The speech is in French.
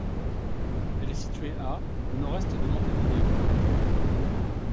Elle est située à au nord-est de Montevideo.